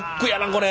これ。